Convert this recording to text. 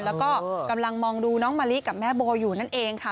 แล้วก็กำลังมองดูน้องมะลิกับแม่โบอยู่นั่นเองค่ะ